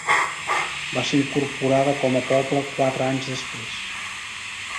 Va ser incorporada com a poble quatre anys després.